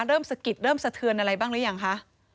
สะกิดเริ่มสะเทือนอะไรบ้างหรือยังคะ